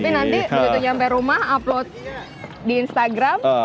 tapi nanti begitu sampai rumah upload di instagram